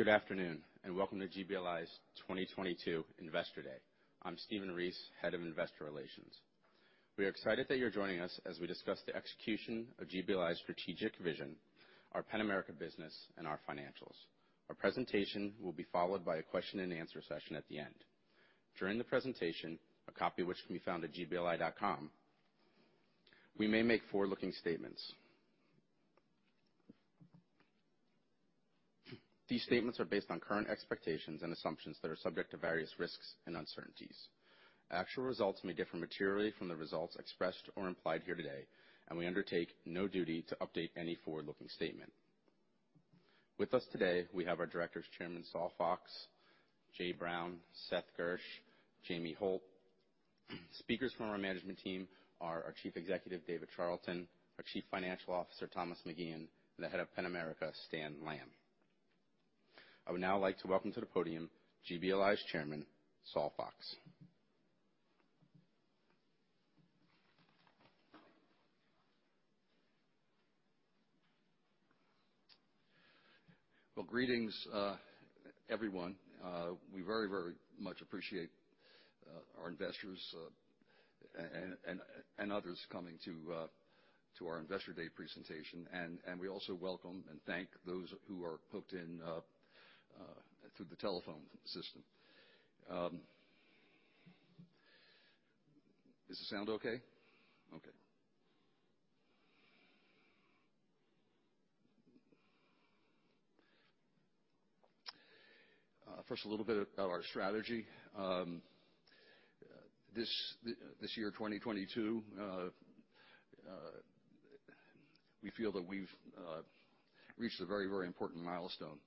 Good afternoon, and welcome to GBLI's 2022 Investor Day. I'm Stephen Reese, head of Investor Relations. We are excited that you're joining us as we discuss the execution of GBLI's strategic vision, our Penn-America business, and our financials. Our presentation will be followed by a question and answer session at the end. During the presentation, a copy of which can be found at gbli.com, we may make forward-looking statements. These statements are based on current expectations and assumptions that are subject to various risks and uncertainties. Actual results may differ materially from the results expressed or implied here today, and we undertake no duty to update any forward-looking statement. With us today, we have our directors, Chairman Saul Fox, Jay Brown, Seth Gersch, Jamie Holt. Speakers from our management team are our Chief Executive, David Charlton, our Chief Financial Officer, Thomas McGeehan, and the Head of Penn-America, Stan Lamb. I would now like to welcome to the podium GBLI's Chairman, Saul Fox. Well, greetings, everyone. We very much appreciate our investors and others coming to our Investor Day presentation. We also welcome and thank those who are hooked in through the telephone system. Is the sound okay? Okay. First, a little bit about our strategy. This year, 2022, we feel that we've reached a very important milestone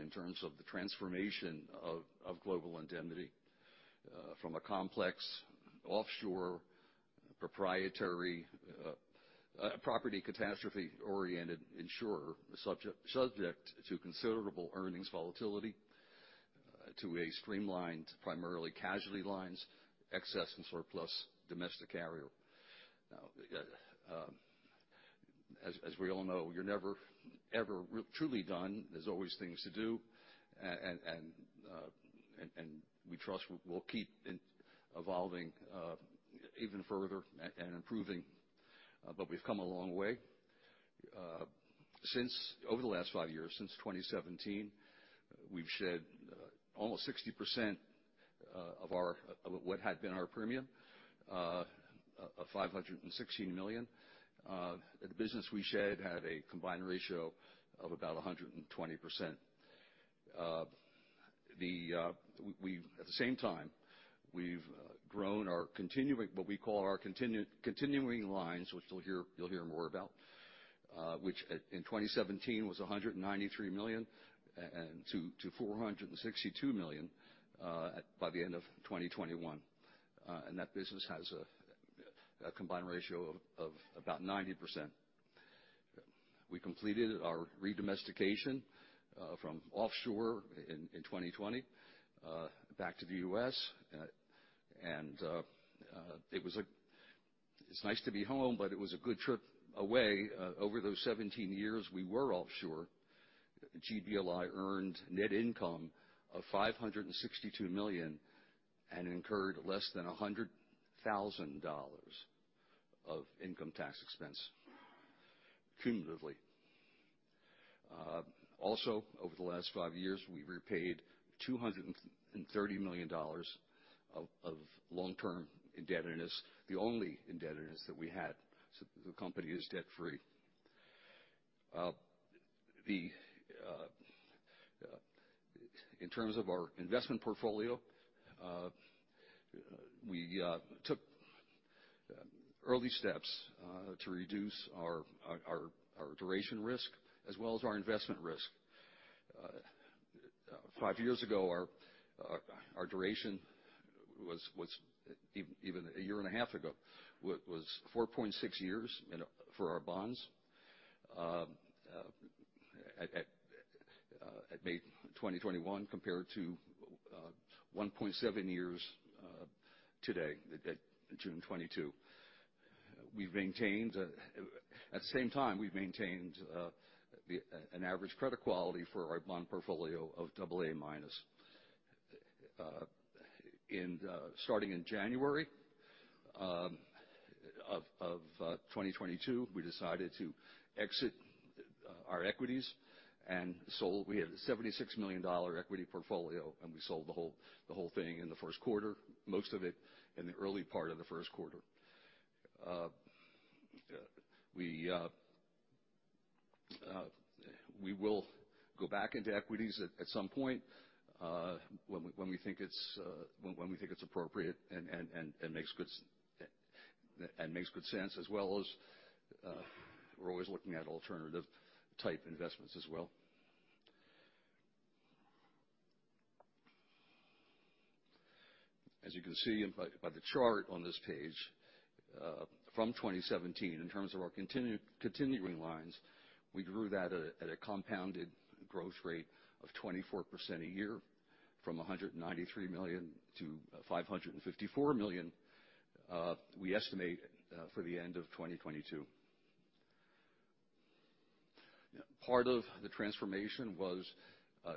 in terms of the transformation of Global Indemnity from a complex offshore proprietary property catastrophe-oriented insurer subject to considerable earnings volatility, to a streamlined, primarily casualty lines, excess and surplus domestic carrier. Now, as we all know, you're never truly done. There's always things to do. We trust we'll keep evolving even further and improving, but we've come a long way. Since over the last five years, since 2017, we've shed almost 60% of our what had been our premium of $516 million. The business we shed had a combined ratio of about 120%. At the same time, we've grown our continuing, what we call our continuing lines, which you'll hear more about, which in 2017 was $193 million and to $462 million by the end of 2021. That business has a combined ratio of about 90%. We completed our re-domestication from offshore in 2020 back to the U.S.. It's nice to be home, but it was a good trip away. Over those 17 years we were offshore, GBLI earned net income of $562 million and incurred less than $100,000 of income tax expense cumulatively. Also, over the last five years, we've repaid $230 million of long-term indebtedness, the only indebtedness that we had. The company is debt-free. In terms of our investment portfolio, we took early steps to reduce our duration risk as well as our investment risk. Five years ago our duration was even a year and a half ago was 4.6 years for our bonds at May 2021, compared to 1.7 years today at June 2022. We've maintained, at the same time, an average credit quality for our bond portfolio of double A minus. Starting in January of 2022, we decided to exit our equities and sold. We had a $76 million equity portfolio, and we sold the whole thing in the first quarter, most of it in the early part of the first quarter. We will go back into equities at some point when we think it's appropriate and makes good sense, as well as we're always looking at alternative type investments as well. As you can see by the chart on this page, from 2017, in terms of our Continuing Lines, we grew that at a compounded growth rate of 24% a year from $193 million to $554 million, we estimate, for the end of 2022. Part of the transformation was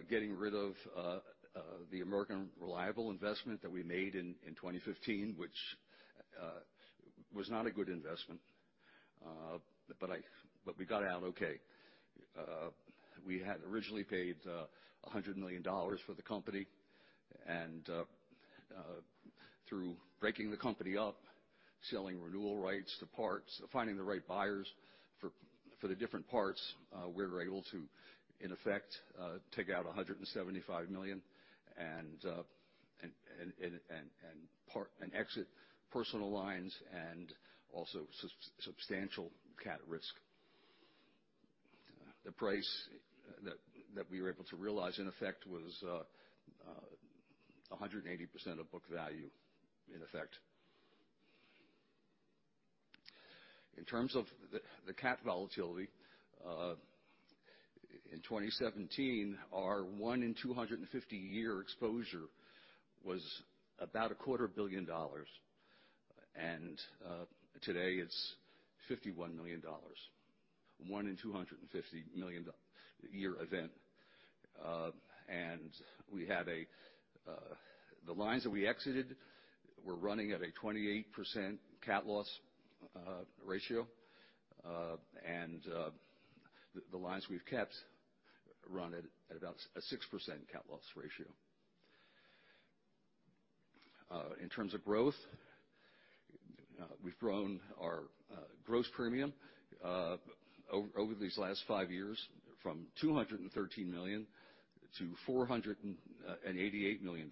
getting rid of the American Reliable investment that we made in 2015, which was not a good investment. But we got out okay. We had originally paid $100 million for the company, and through breaking the company up, selling renewal rights to parts, finding the right buyers for the different parts, we were able to, in effect, take out $175 million and exit personal lines and also substantial cat risk. The price that we were able to realize in effect was 180% of book value in effect. In terms of the cat volatility, in 2017, our 1 in 250-year exposure was about $250 million. Today it's $51 million, 1 in 250-year event. We have a The lines that we exited were running at a 28% cat loss ratio. The lines we've kept run at about a 6% cat loss ratio. In terms of growth, we've grown our gross premium over these last five years from $213 million to $488 million.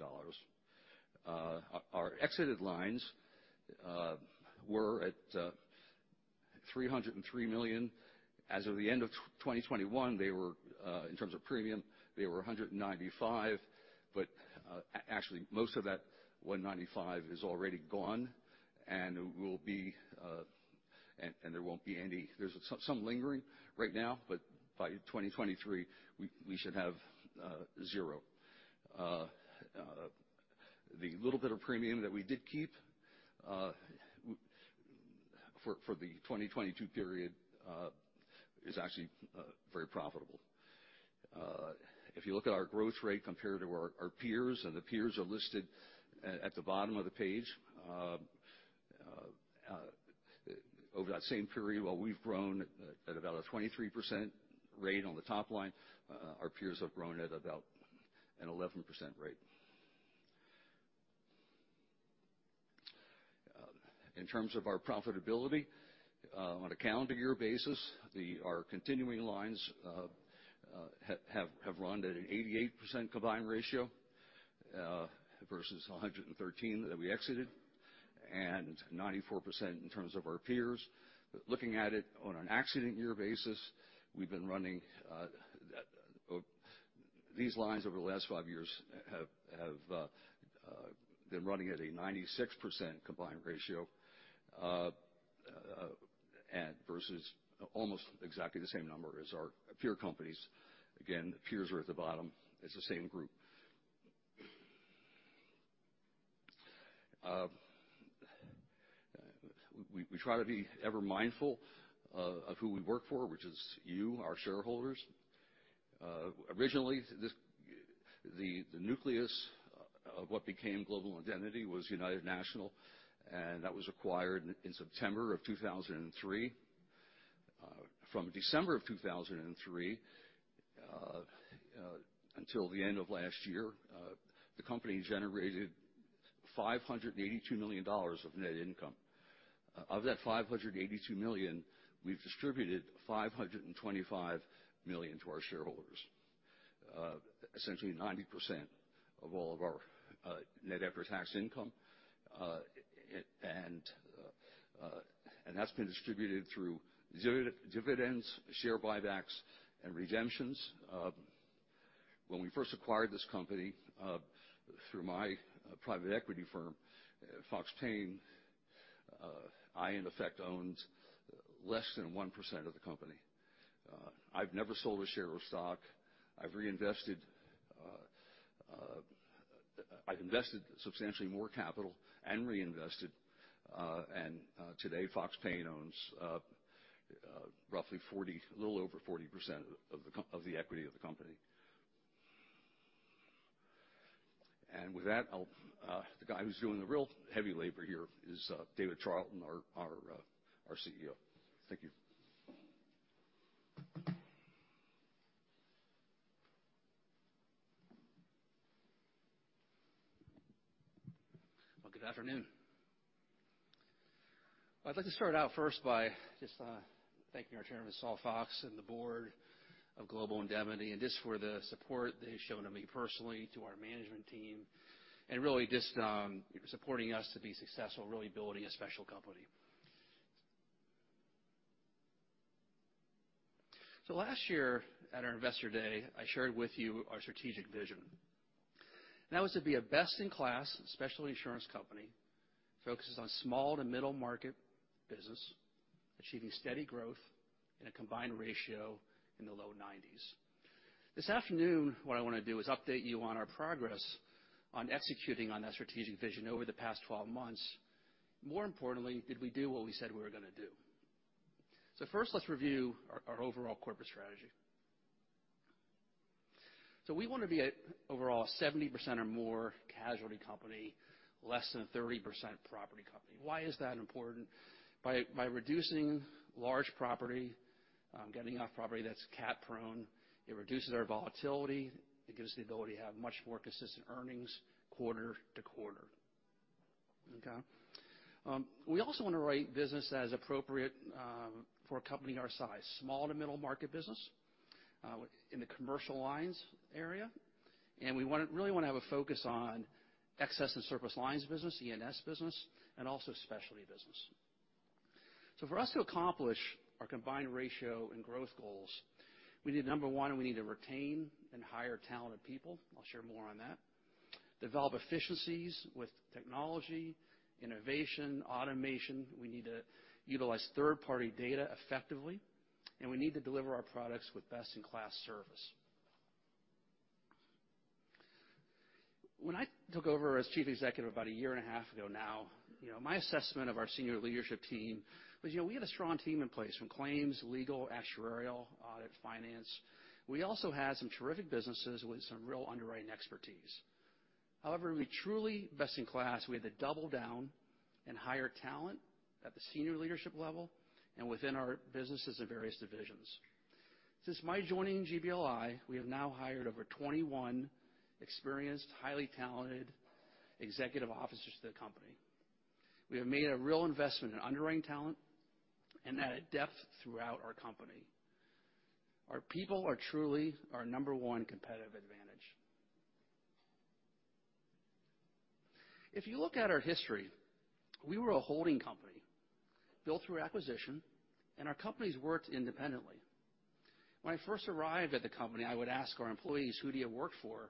Our exited lines were at $303 million. As of the end of 2021, they were in terms of premium they were $195 million. Actually, most of that 195 is already gone, and will be and there won't be any. There's some lingering right now, but by 2023, we should have zero. The little bit of premium that we did keep for the 2022 period is actually very profitable. If you look at our growth rate compared to our peers, and the peers are listed at the bottom of the page, over that same period, while we've grown at about a 23% rate on the top line, our peers have grown at about an 11% rate. In terms of our profitability, on a calendar year basis, our Continuing Lines have run at an 88% combined ratio versus 113 that we exited, and 94% in terms of our peers. Looking at it on an accident year basis, these lines over the last five years have been running at a 96% combined ratio versus almost exactly the same number as our peer companies. Again, peers are at the bottom. It's the same group. We try to be ever mindful of who we work for, which is you, our shareholders. Originally, the nucleus of what became Global Indemnity was United National, and that was acquired in September 2003. From December 2003 until the end of last year, the company generated $582 million of net income. Of that $582 million, we've distributed $525 million to our shareholders. Essentially 90% of all of our net after-tax income, and that's been distributed through dividends, share buybacks, and redemptions. When we first acquired this company through my private equity firm, Fox Paine, I in effect owned less than 1% of the company. I've never sold a share of stock. I've reinvested, I've invested substantially more capital and reinvested, and today, Fox Paine owns roughly 40, a little over 40% of the equity of the company. With that, the guy who's doing the real heavy labor here is David Charlton, our CEO. Thank you. Well, good afternoon. I'd like to start out first by just thanking our chairman, Saul Fox, and the board of Global Indemnity, and just for the support they've shown to me personally, to our management team, and really just supporting us to be successful, really building a special company. Last year at our Investor Day, I shared with you our strategic vision, and that was to be a best-in-class specialty insurance company focused on small to middle market business, achieving steady growth in a combined ratio in the low 90s. This afternoon, what I want to do is update you on our progress on executing on that strategic vision over the past 12 months. More importantly, did we do what we said we were gonna do? First, let's review our overall corporate strategy. We wanna be a overall 70% or more casualty company, less than 30% property company. Why is that important? By reducing large property, getting off property that's cat-prone, it reduces our volatility, it gives the ability to have much more consistent earnings quarter to quarter. Okay. We also wanna write business that is appropriate for a company our size, small to middle market business in the commercial lines area. We really wanna have a focus on excess and surplus lines business, E&S business, and also specialty business. For us to accomplish our combined ratio and growth goals, we need number one, we need to retain and hire talented people. I'll share more on that. Develop efficiencies with technology, innovation, automation. We need to utilize third-party data effectively, and we need to deliver our products with best-in-class service. When I took over as chief executive about a year and a half ago now, you know, my assessment of our senior leadership team was, you know, we had a strong team in place from claims, legal, actuarial, audit, finance. We also had some terrific businesses with some real underwriting expertise. However, to be truly best in class, we had to double down and hire talent at the senior leadership level and within our businesses and various divisions. Since my joining GBLI, we have now hired over 21 experienced, highly talented executive officers to the company. We have made a real investment in underwriting talent and added depth throughout our company. Our people are truly our number one competitive advantage. If you look at our history, we were a holding company built through acquisition, and our companies worked independently. When I first arrived at the company, I would ask our employees, "Who do you work for?"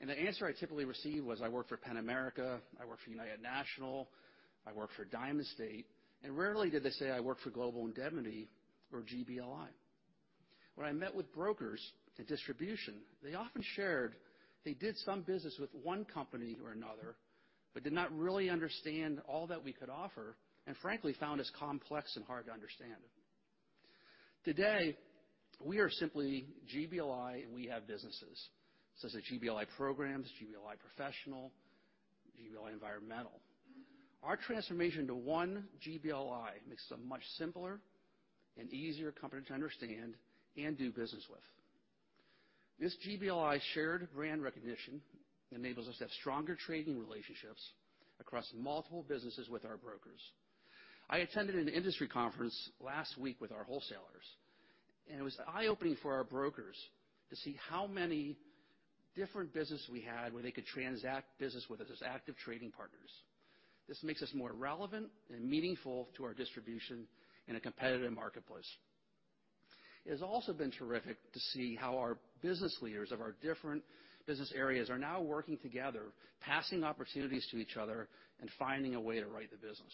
The answer I typically received was, "I work for Penn-America," "I work for United National," "I work for Diamond State." Rarely did they say, "I work for Global Indemnity or GBLI." When I met with brokers and distribution, they often shared they did some business with one company or another, but did not really understand all that we could offer, and frankly, found us complex and hard to understand. Today, we are simply GBLI, and we have businesses, such as GBLI Programs, GBLI Professional, GBLI Environmental. Our transformation to one GBLI makes us a much simpler and easier company to understand and do business with. This GBLI shared brand recognition enables us to have stronger trading relationships across multiple businesses with our brokers. I attended an industry conference last week with our wholesalers, and it was eye-opening for our brokers to see how many different business we had where they could transact business with us as active trading partners. This makes us more relevant and meaningful to our distribution in a competitive marketplace. It has also been terrific to see how our business leaders of our different business areas are now working together, passing opportunities to each other and finding a way to write the business.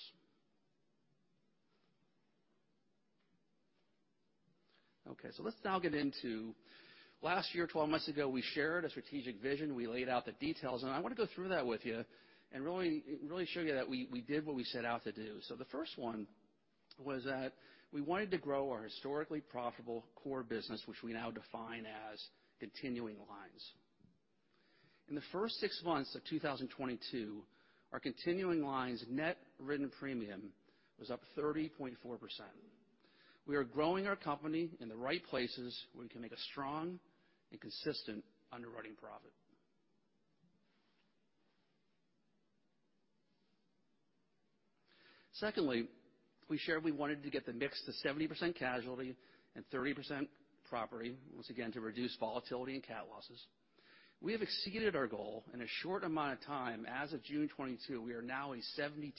Okay, let's now get into last year, 12 months ago, we shared a strategic vision. We laid out the details, and I wanna go through that with you and really, really show you that we did what we set out to do. The first one was that we wanted to grow our historically profitable core business, which we now define as Continuing Lines. In the first six months of 2022, our continuing lines net written premium was up 30.4%. We are growing our company in the right places where we can make a strong and consistent underwriting profit. Secondly, we shared we wanted to get the mix to 70% casualty and 30% property, once again to reduce volatility and cat losses. We have exceeded our goal in a short amount of time. As of June 2022, we are now a 72%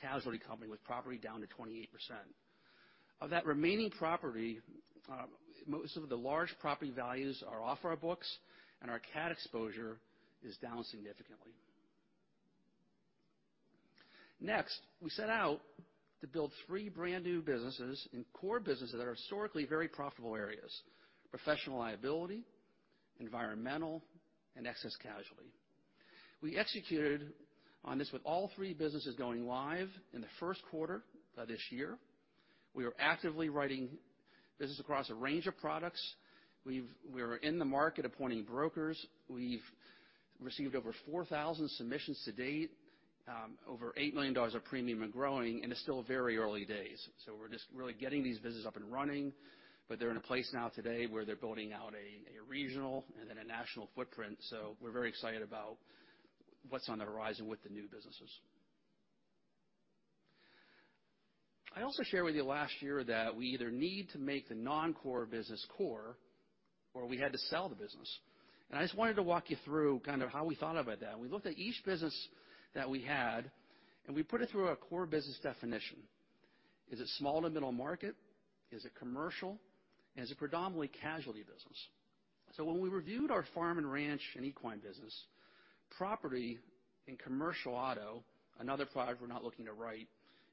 casualty company with property down to 28%. Of that remaining property, most of the large property values are off our books, and our cat exposure is down significantly. Next, we set out to build three brand new businesses in core businesses that are historically very profitable areas, professional liability, environmental, and excess casualty. We executed on this with all three businesses going live in the first quarter of this year. We are actively writing business across a range of products. We are in the market appointing brokers. We've received over 4,000 submissions to date, over $8 million of premium and growing, and it's still very early days. We're just really getting these businesses up and running, but they're in a place now today where they're building out a regional and then a national footprint. We're very excited about what's on the horizon with the new businesses. I also shared with you last year that we either need to make the non-core business core or we had to sell the business. I just wanted to walk you through kind of how we thought about that. We looked at each business that we had, and we put it through our core business definition. Is it small to middle market? Is it commercial? And is it predominantly casualty business? When we reviewed our farm and ranch and equine business, Property and commercial auto, another five we're not looking to write,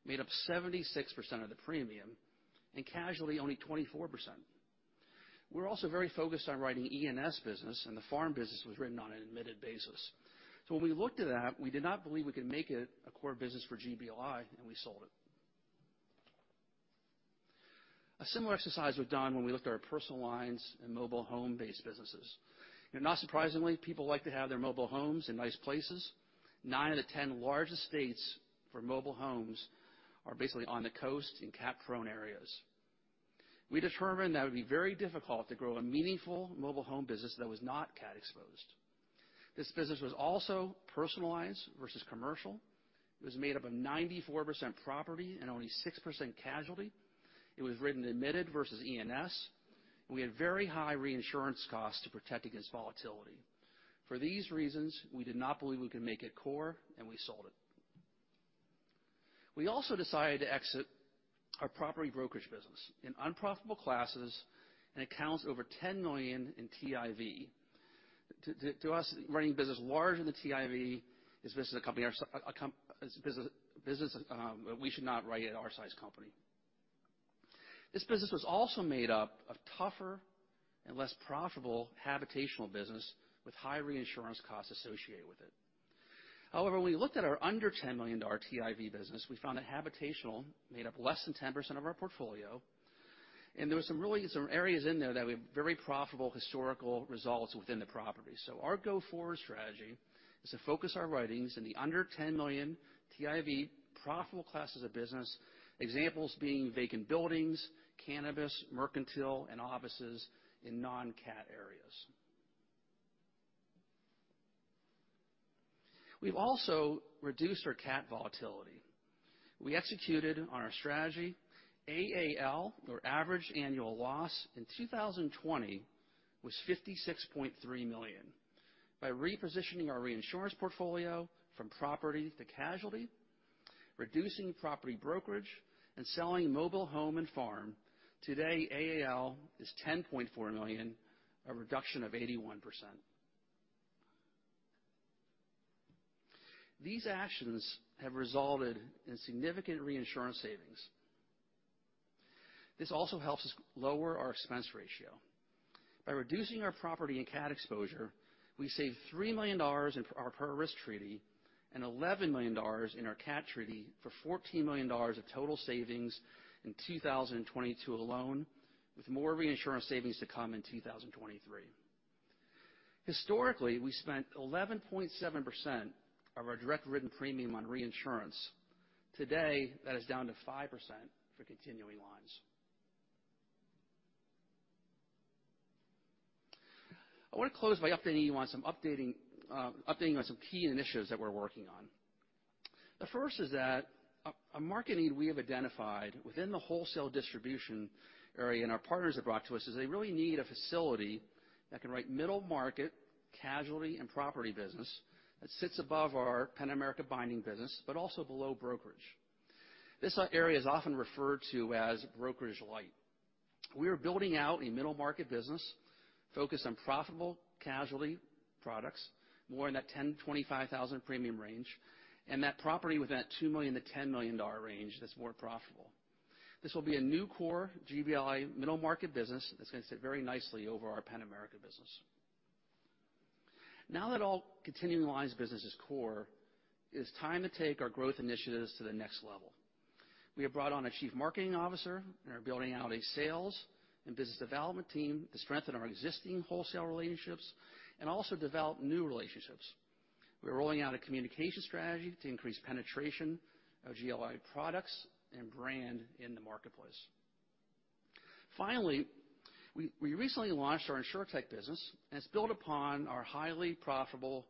made up 76% of the premium, and casualty only 24%. We're also very focused on writing E&S business, and the farm business was written on an admitted basis. When we looked at that, we did not believe we could make it a core business for GBLI, and we sold it. A similar exercise was done when we looked at our personal lines and mobile home-based businesses. You know, not surprisingly, people like to have their mobile homes in nice places. Nine out of 10 largest states for mobile homes are basically on the coast in cat-prone areas. We determined that it would be very difficult to grow a meaningful mobile home business that was not cat exposed. This business was also personal versus commercial. It was made up of 94% property and only 6% casualty. It was written admitted versus E&S. We had very high reinsurance costs to protect against volatility. For these reasons, we did not believe we could make it core, and we sold it. We also decided to exit our property brokerage business in unprofitable classes, and it accounts for over $10 million in TIV. To us, running business larger than TIV is a business a company our size should not write. This business was also made up of tougher and less profitable habitational business with high reinsurance costs associated with it. However, when we looked at our under $10 million TIV business, we found that habitational made up less than 10% of our portfolio, and there were some really, some areas in there that we have very profitable historical results within the property. Our go-forward strategy is to focus our writings in the under $10 million TIV profitable classes of business, examples being vacant buildings, cannabis, mercantile, and offices in non-cat areas. We've also reduced our cat volatility. We executed on our strategy AAL, or average annual loss, in 2020 was $56.3 million. By repositioning our reinsurance portfolio from property to casualty, reducing property brokerage, and selling mobile home and farm, today AAL is $10.4 million, a reduction of 81%. These actions have resulted in significant reinsurance savings. This also helps us lower our expense ratio. By reducing our property and cat exposure, we saved $3 million in our per risk treaty and $11 million in our cat treaty for $14 million of total savings in 2022 alone, with more reinsurance savings to come in 2023. Historically, we spent 11.7% of our direct written premium on reinsurance. Today, that is down to 5% for Continuing Lines. I want to close by updating you on some key initiatives that we're working on. The first is that a market need we have identified within the wholesale distribution area and our partners have brought to us is they really need a facility that can write middle market casualty and property business that sits above our Penn-America binding business, but also below brokerage. This area is often referred to as brokerage light. We are building out a middle market business focused on profitable casualty products, more in that $10,000-$25,000 premium range, and that property within that $2 million-$10 million range that's more profitable. This will be a new core GBLI middle market business that's going to sit very nicely over our Penn-America business. Now that all Continuing Lines business is core, it is time to take our growth initiatives to the next level. We have brought on a chief marketing officer and are building out a sales and business development team to strengthen our existing wholesale relationships and also develop new relationships. We're rolling out a communication strategy to increase penetration of GBLI products and brand in the marketplace. Finally, we recently launched our InsurTech business, and it's built upon our highly profitable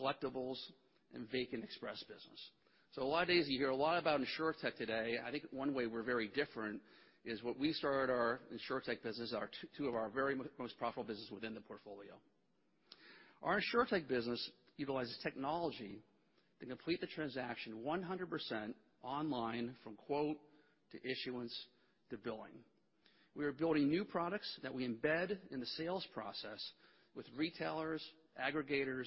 collectibles and VacantExpress business. A lot these days you hear a lot about InsurTech today. I think one way we're very different is what we started our InsurTech business are two of our very most profitable business within the portfolio. Our InsurTech business utilizes technology to complete the transaction 100% online from quote to issuance to billing. We are building new products that we embed in the sales process with retailers, aggregators,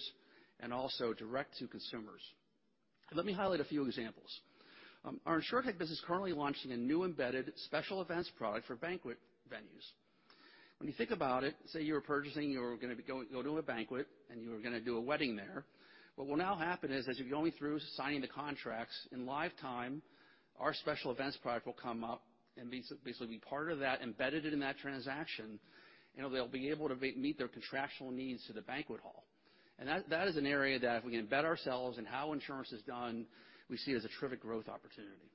and also direct to consumers. Let me highlight a few examples. Our InsurTech business is currently launching a new embedded special events product for banquet venues. When you think about it, say you were going to a banquet, and you were going to do a wedding there. What will now happen is as you're going through signing the contracts, in real time, our special events product will come up and basically be part of that, embedded in that transaction. You know, they'll be able to meet their contractual needs to the banquet hall. That is an area that if we can embed ourselves in how insurance is done, we see as a terrific growth opportunity.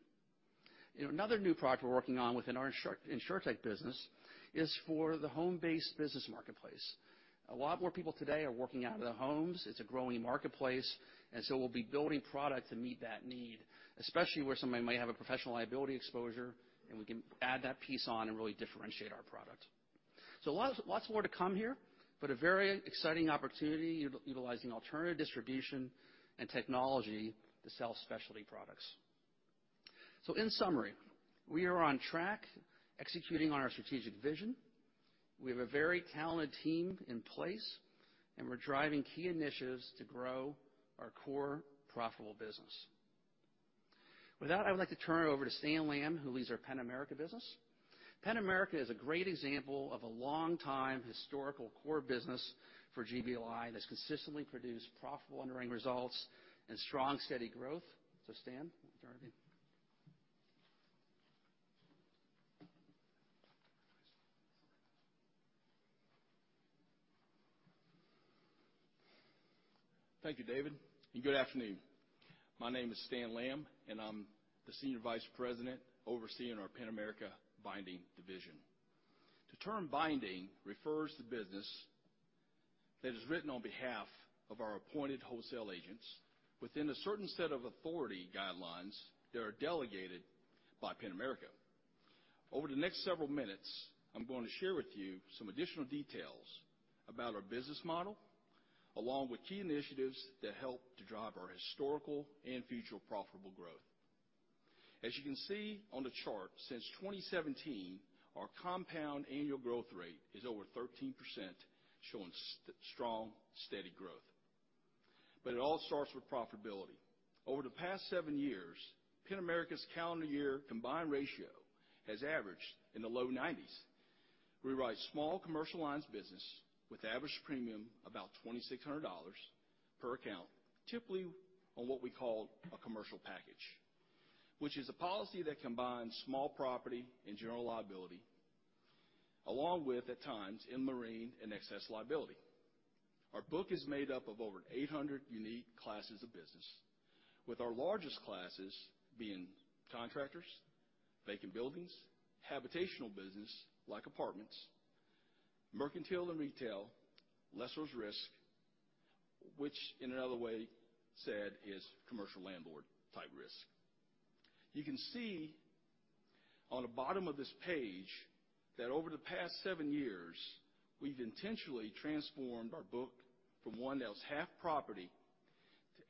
You know, another new product we're working on within our InsurTech business is for the home-based business marketplace. A lot more people today are working out of their homes. It's a growing marketplace, and we'll be building product to meet that need, especially where somebody might have a professional liability exposure, and we can add that piece on and really differentiate our product. Lots more to come here, but a very exciting opportunity utilizing alternative distribution and technology to sell specialty products. In summary, we are on track executing on our strategic vision. We have a very talented team in place, and we're driving key initiatives to grow our core profitable business. With that, I would like to turn it over to Stan Lamb, who leads our Penn-America business. Penn-America is a great example of a long time historical core business for GBLI that's consistently produced profitable underwriting results and strong, steady growth. Stan, over to you. Thank you, David, and good afternoon. My name is Stan Lamb, and I'm the Senior Vice President overseeing our Penn-America Binding Division. The term binding refers to business that is written on behalf of our appointed wholesale agents within a certain set of authority guidelines that are delegated by Penn-America. Over the next several minutes, I'm going to share with you some additional details about our business model, along with key initiatives that help to drive our historical and future profitable growth. As you can see on the chart, since 2017, our compound annual growth rate is over 13%, showing strong, steady growth. It all starts with profitability. Over the past seven years, Penn-America's calendar year combined ratio has averaged in the low 90s. We write small commercial lines business with average premium about $2,600 per account, typically on what we call a commercial package, which is a policy that combines small property and general liability, along with, at times, in marine and excess liability. Our book is made up of over 800 unique classes of business, with our largest classes being contractors, vacant buildings, habitational business like apartments, mercantile and retail, lessor's risk, which in another way said is commercial landlord type risk. You can see on the bottom of this page that over the past seven years, we've intentionally transformed our book from one that was half property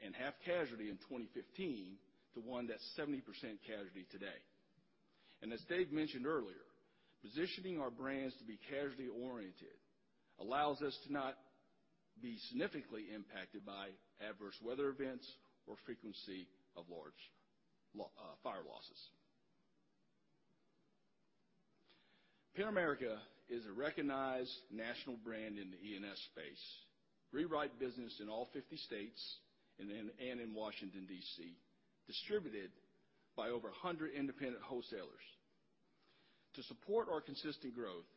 and half casualty in 2015 to one that's 70% casualty today. As Dave mentioned earlier, positioning our brands to be casualty oriented allows us to not be significantly impacted by adverse weather events or frequency of large fire losses. Penn-America is a recognized national brand in the E&S space. We write business in all 50 states and in Washington, D.C., distributed by over 100 independent wholesalers. To support our consistent growth,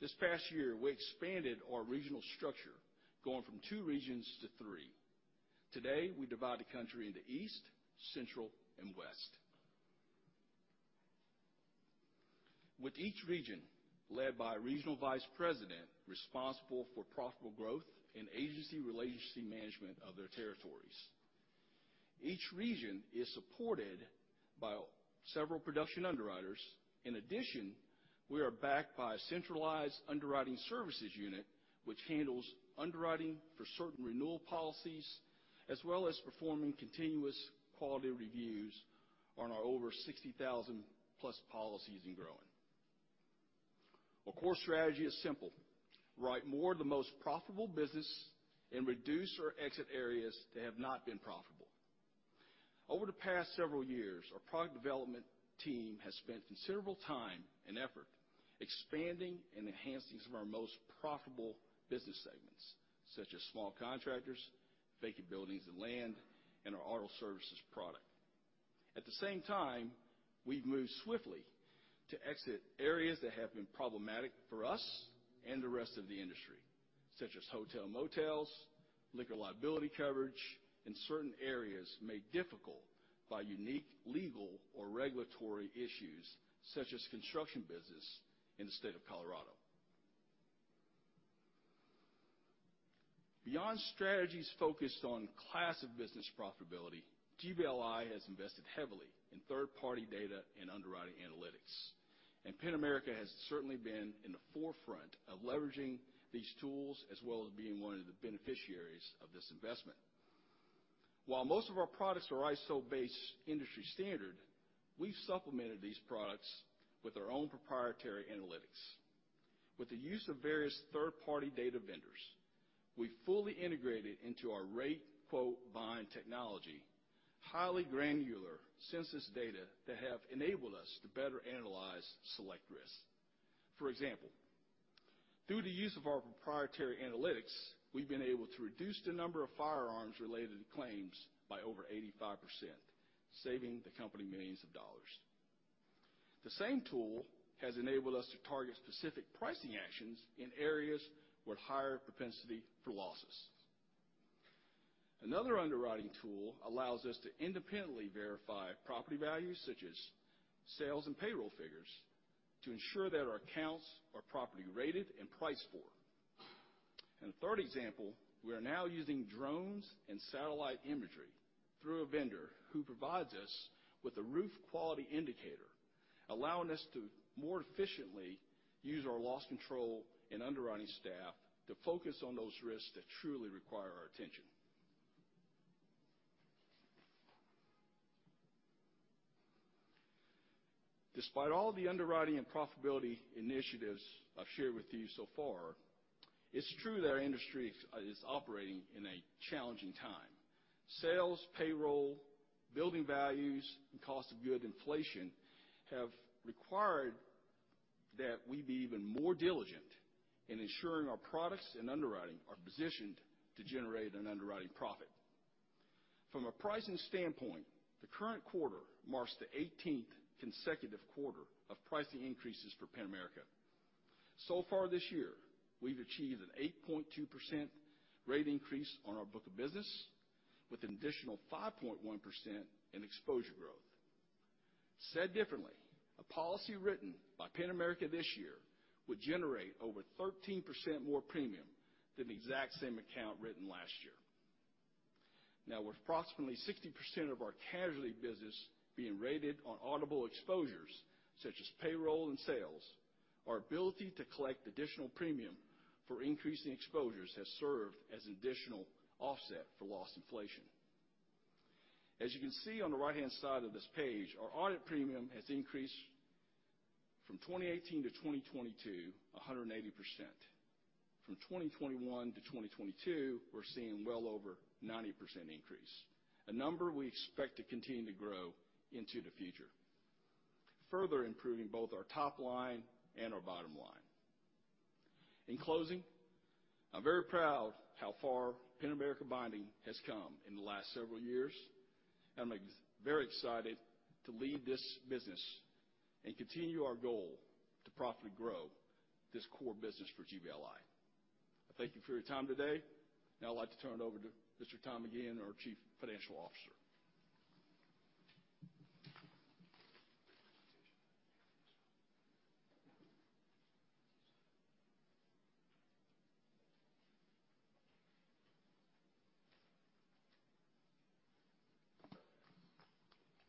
this past year, we expanded our regional structure going from two regions to three. Today, we divide the country into East, Central, and West. With each region led by a regional vice president responsible for profitable growth and agency relationship management of their territories. Each region is supported by several production underwriters. In addition, we are backed by a centralized underwriting services unit, which handles underwriting for certain renewal policies, as well as performing continuous quality reviews on our over 60,000+ policies and growing. Our core strategy is simple, write more of the most profitable business and reduce or exit areas that have not been profitable. Over the past several years, our product development team has spent considerable time and effort expanding and enhancing some of our most profitable business segments, such as small contractors, vacant buildings and land, and our auto services product. At the same time, we've moved swiftly to exit areas that have been problematic for us and the rest of the industry, such as hotel motels, liquor liability coverage, and certain areas made difficult by unique legal or regulatory issues, such as construction business in the state of Colorado. Beyond strategies focused on class of business profitability, GBLI has invested heavily in third-party data and underwriting analytics. Penn-America has certainly been in the forefront of leveraging these tools, as well as being one of the beneficiaries of this investment. While most of our products are ISO-based industry-standard, we've supplemented these products with our own proprietary analytics. With the use of various third-party data vendors, we fully integrated into our rate-quote-bind technology, highly granular census data that have enabled us to better analyze select risk. For example, through the use of our proprietary analytics, we've been able to reduce the number of firearms-related claims by over 85%, saving the company million dollars. The same tool has enabled us to target specific pricing actions in areas with higher propensity for losses. Another underwriting tool allows us to independently verify property values, such as sales and payroll figures, to ensure that our accounts are properly rated and priced for. A third example, we are now using drones and satellite imagery through a vendor who provides us with a roof quality indicator, allowing us to more efficiently use our loss control and underwriting staff to focus on those risks that truly require our attention. Despite all the underwriting and profitability initiatives I've shared with you so far, it's true that our industry is operating in a challenging time. Sales, payroll, building values, and cost of goods inflation have required that we be even more diligent in ensuring our products and underwriting are positioned to generate an underwriting profit. From a pricing standpoint, the current quarter marks the eighteenth consecutive quarter of pricing increases for Penn-America. Far this year, we've achieved an 8.2% rate increase on our book of business with an additional 5.1% in exposure growth. Said differently, a policy written by Penn-America this year would generate over 13% more premium than the exact same account written last year. Now with approximately 60% of our casualty business being rated on auditable exposures, such as payroll and sales, our ability to collect additional premium for increasing exposures has served as additional offset for loss inflation. As you can see on the right-hand side of this page, our audit premium has increased from 2018 to 2022, 180%. From 2021 to 2022, we're seeing well over 90% increase, a number we expect to continue to grow into the future, further improving both our top line and our bottom line. In closing, I'm very proud how far Penn-America Binding has come in the last several years, and I'm very excited to lead this business and continue our goal to profitably grow this core business for GBLI. I thank you for your time today. Now I'd like to turn it over to Mr. Thomas McGeehan, our Chief Financial Officer.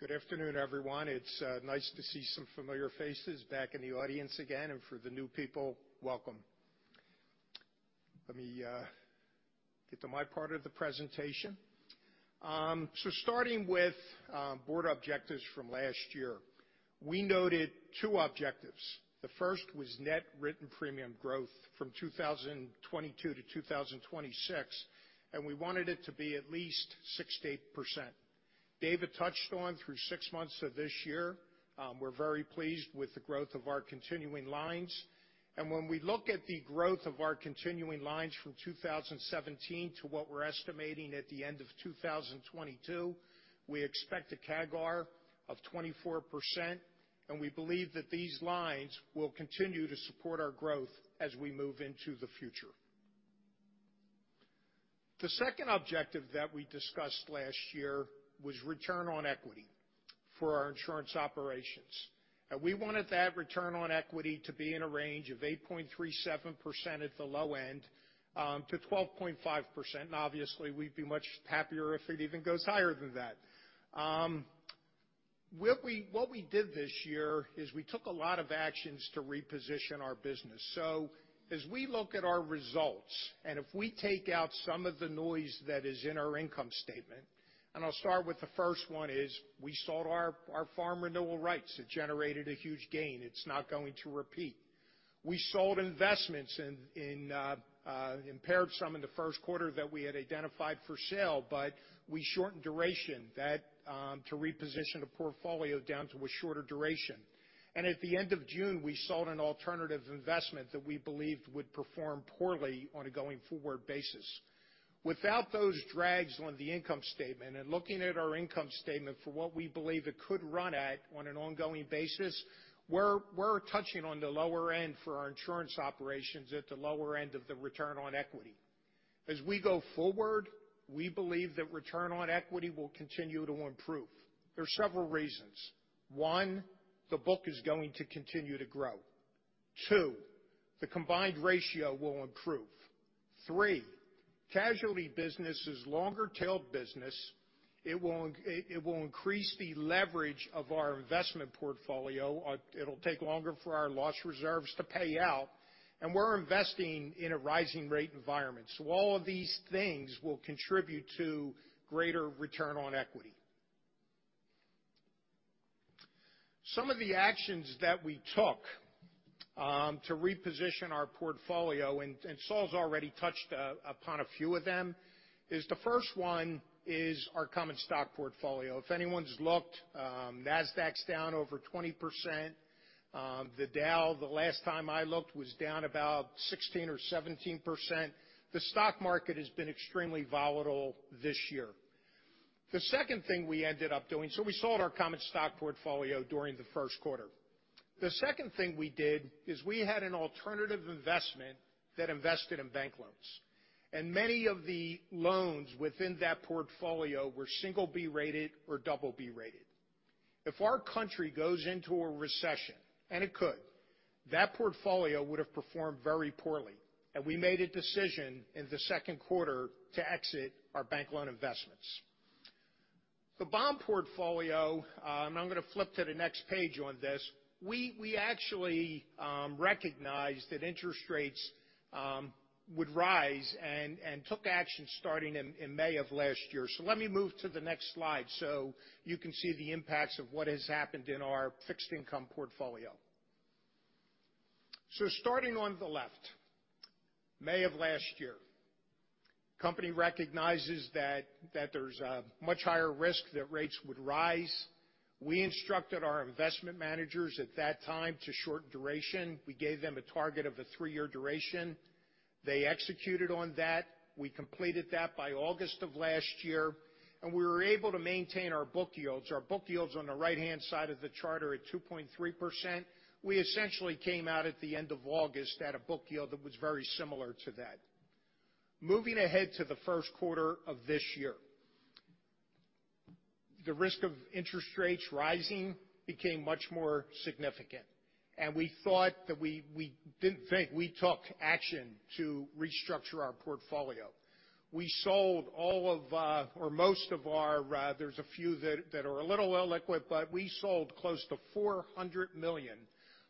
Good afternoon, everyone. It's nice to see some familiar faces back in the audience again, and for the new people, welcome. Let me get to my part of the presentation. So starting with board objectives from last year. We noted two objectives. The first was net written premium growth from 2022 to 2026, and we wanted it to be at least 6%-8%. David touched on through 6 months of this year, we're very pleased with the growth of our Continuing Lines. When we look at the growth of our Continuing Lines from 2017 to what we're estimating at the end of 2022, we expect a CAGR of 24%, and we believe that these lines will continue to support our growth as we move into the future. The second objective that we discussed last year was return on equity for our insurance operations. We wanted that return on equity to be in a range of 8.37% at the low end to 12.5%. Obviously, we'd be much happier if it even goes higher than that. What we did this year is we took a lot of actions to reposition our business. As we look at our results, and if we take out some of the noise that is in our income statement, and I'll start with the first one, is we sold our farm renewal rights. It generated a huge gain. It's not going to repeat. We sold investments and impaired some in the first quarter that we had identified for sale, but we shortened duration. That to reposition the portfolio down to a shorter duration. At the end of June, we sold an alternative investment that we believed would perform poorly on a going forward basis. Without those drags on the income statement and looking at our income statement for what we believe it could run at on an ongoing basis, we're touching on the lower end for our insurance operations at the lower end of the return on equity. As we go forward, we believe that return on equity will continue to improve. There's several reasons. One, the book is going to continue to grow. Two, the combined ratio will improve. Three, casualty business is longer-tailed business. It will increase the leverage of our investment portfolio. It'll take longer for our loss reserves to pay out, and we're investing in a rising rate environment. All of these things will contribute to greater return on equity. Some of the actions that we took to reposition our portfolio, and Saul's already touched upon a few of them, is the first one, our common stock portfolio. If anyone's looked, Nasdaq's down over 20%. The Dow, the last time I looked, was down about 16 or 17%. The stock market has been extremely volatile this year. We sold our common stock portfolio during the first quarter. The second thing we did is we had an alternative investment that invested in bank loans, and many of the loans within that portfolio were single B rated or double B rated. If our country goes into a recession, and it could, that portfolio would have performed very poorly, and we made a decision in the second quarter to exit our bank loan investment. The bond portfolio, and I'm gonna flip to the next page on this, we actually recognized that interest rates would rise and took action starting in May of last year. Let me move to the next slide so you can see the impacts of what has happened in our fixed income portfolio. Starting on the left, May of last year, company recognizes that there's a much higher risk that rates would rise. We instructed our investment managers at that time to short duration. We gave them a target of a three-year duration. They executed on that. We completed that by August of last year, and we were able to maintain our book yields, our book yields on the right-hand side of the chart at 2.3%. We essentially came out at the end of August at a book yield that was very similar to that. Moving ahead to the first quarter of this year. The risk of interest rates rising became much more significant, and we took action to restructure our portfolio. We sold all of or most of our, there's a few that are a little illiquid, but we sold close to $400 million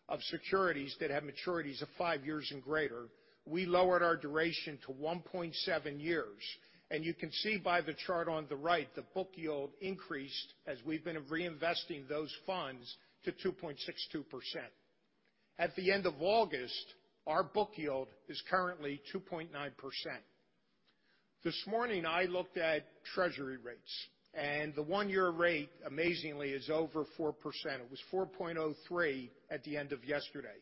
of securities that have maturities of five years and greater. We lowered our duration to 1.7 years. You can see by the chart on the right, the book yield increased as we've been reinvesting those funds to 2.62%. At the end of August, our book yield is currently 2.9%. This morning, I looked at Treasury rates, and the one-year rate, amazingly, is over 4%. It was 4.03 at the end of yesterday.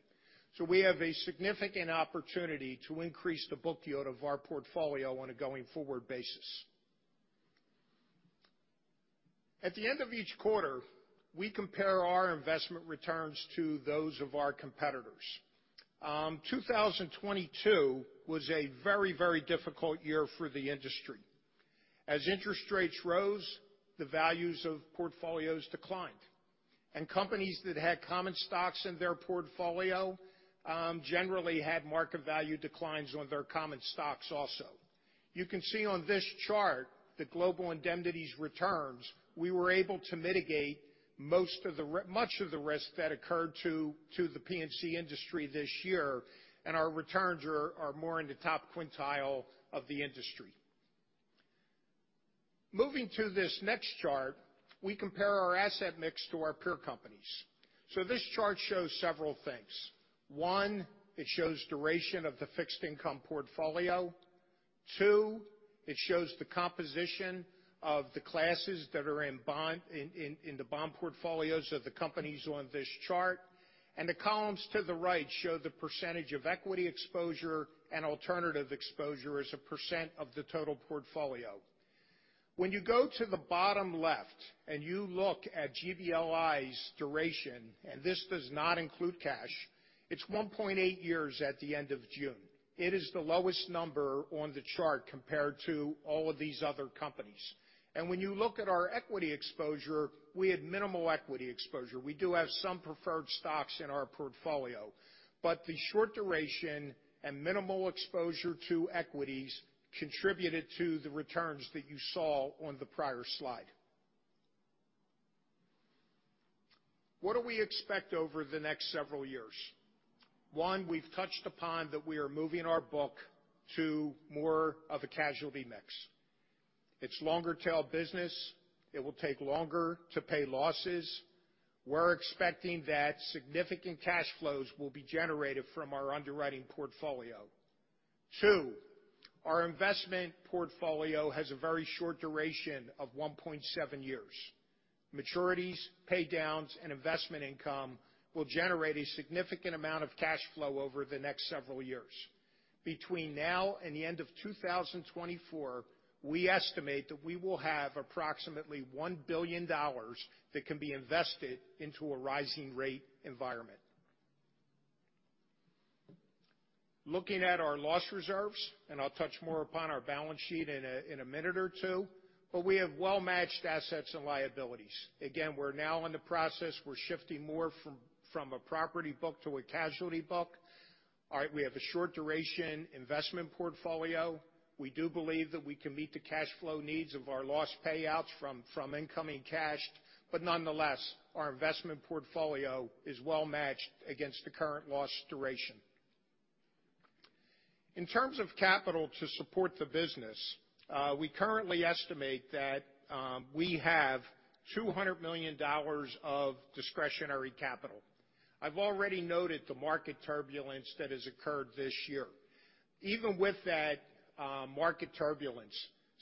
We have a significant opportunity to increase the book yield of our portfolio on a going-forward basis. At the end of each quarter, we compare our investment returns to those of our competitors. 2022 was a very, very difficult year for the industry. As interest rates rose, the values of portfolios declined, and companies that had common stocks in their portfolio generally had market value declines on their common stocks also. You can see on this chart that Global Indemnity's returns, we were able to mitigate much of the risk that occurred in the P&C industry this year, and our returns are more in the top quintile of the industry. Moving to this next chart, we compare our asset mix to our peer companies. This chart shows several things. One, it shows duration of the fixed income portfolio. Two, it shows the composition of the classes that are in the bond portfolios of the companies on this chart. The columns to the right show the percentage of equity exposure and alternative exposure as a percent of the total portfolio. When you go to the bottom left and you look at GBLI's duration, and this does not include cash, it's 1.8 years at the end of June. It is the lowest number on the chart compared to all of these other companies. When you look at our equity exposure, we had minimal equity exposure. We do have some preferred stocks in our portfolio, but the short duration and minimal exposure to equities contributed to the returns that you saw on the prior slide. What do we expect over the next several years? One, we've touched upon that we are moving our book to more of a casualty mix. It's longer-tail business. It will take longer to pay losses. We're expecting that significant cash flows will be generated from our underwriting portfolio. Two, our investment portfolio has a very short duration of 1.7 years. Maturities, pay downs, and investment income will generate a significant amount of cash flow over the next several years. Between now and the end of 2024, we estimate that we will have approximately $1 billion that can be invested into a rising rate environment. Looking at our loss reserves, and I'll touch more upon our balance sheet in a minute or two, but we have well-matched assets and liabilities. Again, we're now in the process. We're shifting more from a property book to a casualty book. All right, we have a short duration investment portfolio. We do believe that we can meet the cash flow needs of our loss payouts from incoming cash. But nonetheless, our investment portfolio is well-matched against the current loss duration. In terms of capital to support the business, we currently estimate that we have $200 million of discretionary capital. I've already noted the market turbulence that has occurred this year. Even with that, market turbulence,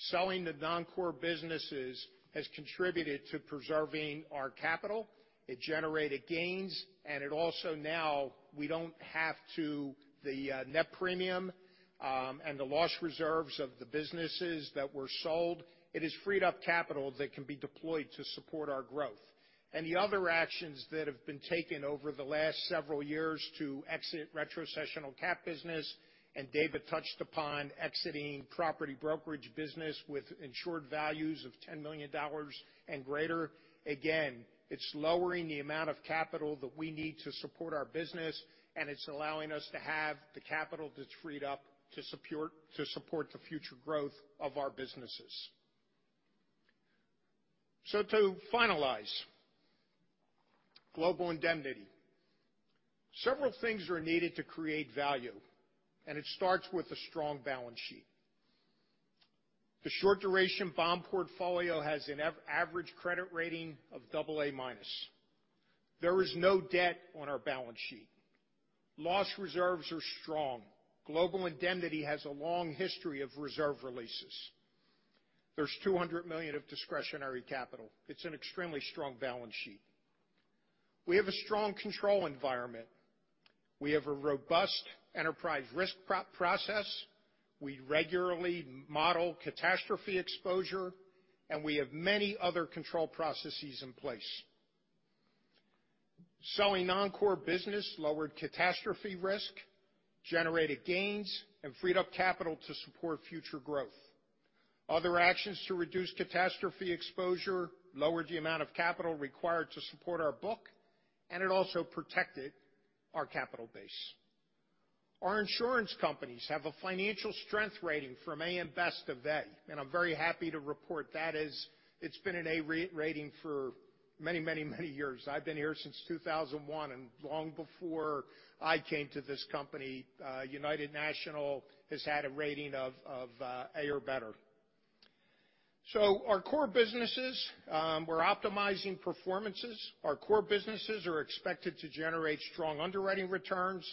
selling the non-core businesses has contributed to preserving our capital. It generated gains. The net premium and the loss reserves of the businesses that were sold, it has freed up capital that can be deployed to support our growth. The other actions that have been taken over the last several years to exit retrocessional cat business, and David touched upon exiting property brokerage business with insured values of $10 million and greater. Again, it's lowering the amount of capital that we need to support our business, and it's allowing us to have the capital that's freed up to support the future growth of our businesses. To finalize Global Indemnity, several things are needed to create value, and it starts with a strong balance sheet. The short duration bond portfolio has an average credit rating of double A minus. There is no debt on our balance sheet. Loss reserves are strong. Global Indemnity has a long history of reserve releases. There's $200 million of discretionary capital. It's an extremely strong balance sheet. We have a strong control environment. We have a robust enterprise risk process. We regularly model catastrophe exposure, and we have many other control processes in place. Selling non-core business lowered catastrophe risk, generated gains, and freed up capital to support future growth. Other actions to reduce catastrophe exposure lowered the amount of capital required to support our book, and it also protected our capital base. Our insurance companies have a financial strength rating from AM Best of A, and I'm very happy to report that as it's been an A rating for many, many, many years. I've been here since 2001, and long before I came to this company, United National has had a rating of A or better. Our core businesses, we're optimizing performances. Our core businesses are expected to generate strong underwriting returns,